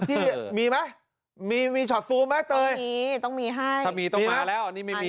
ที่มีไหมมีมีมีมีมีต้องมีให้ถ้ามีต้องมาแล้วนี่มีมี